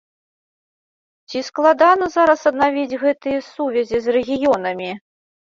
Ці складана зараз аднавіць гэтыя сувязі з рэгіёнамі?